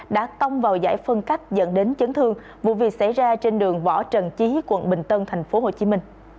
đã tông vào giải phân cách dẫn đến chấn thương vụ việc xảy ra trên đường võ trần chí quận bình tân tp hcm